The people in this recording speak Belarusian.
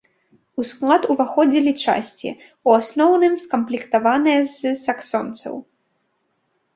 У склад уваходзілі часці, ў асноўным скамплектаваныя з саксонцаў.